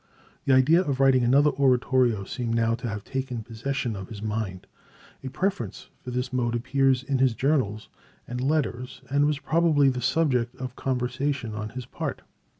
The idea of writing another oratorio seems now to have taken possession of his mind. A preference for this mode appears in his journals and letters and was probably the subject of conversation on his part.